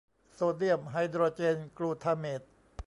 โซเดียมไฮโดรเจนกลูทาเมต